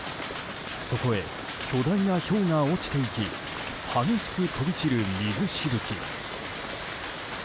そこへ巨大なひょうが落ちていき激しく飛び散る水しぶき。